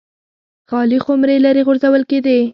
خالي خُمرې لرې غورځول کېدې